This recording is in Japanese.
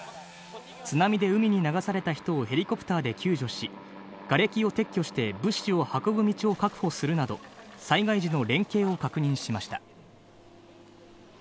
津波で海に流された人をヘリコプターで救助し、がれきを撤去して物資を運ぶ道を確保するなど、災害時の連携を確認しました。